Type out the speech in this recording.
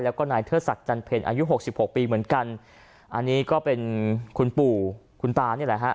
แล้วก็นายเทิดศักดิ์จันเพ็ญอายุหกสิบหกปีเหมือนกันอันนี้ก็เป็นคุณปู่คุณตานี่แหละฮะ